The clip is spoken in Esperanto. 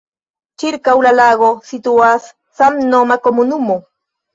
Ĉirkaŭ la lago situas samnoma komunumo.